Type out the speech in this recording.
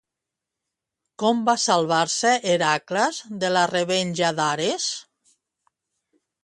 Com va salvar-se Hèracles de la revenja d'Ares?